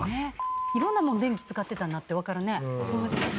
色んなもん電気使ってたんだってわかるね。